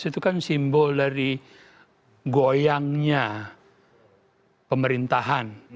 empat ratus sebelas itu kan simbol dari goyangnya pemerintahan